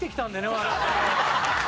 我々。